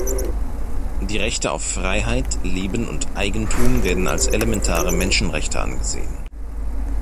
Die Rechte auf Freiheit, Leben und Eigentum werden als elementare Menschenrechte angesehen.